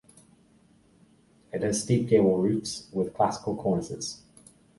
It has steep gable roofs with classical cornices.